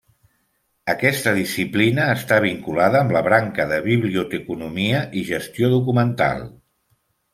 Aquesta disciplina està vinculada amb la branca de biblioteconomia i gestió documental.